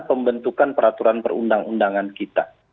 pembentukan peraturan perundang undangan kita